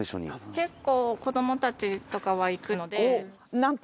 結構子どもたちとかは行くので。